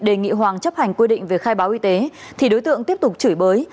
đề nghị hoàng chấp hành quy định về khai báo y tế thì đối tượng tiếp tục chửi bới